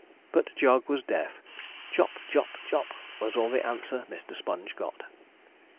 But Jog was deaf chop, chop, chop was all the answer Mr. Sponge got.